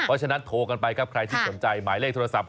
เพราะฉะนั้นโทรกันไปครับใครที่สนใจหมายเลขโทรศัพท์